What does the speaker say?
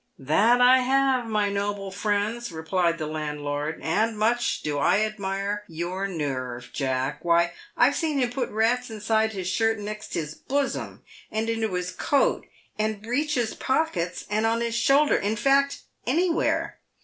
" That I have, my noble friends," replied the landlord, " and much do I admire your nerve, Jack. "Why, I've seen him put rats inside his shirt next his bosom, and into his coat, and breeches pockets, and on his shoulder — in fact, anywhere.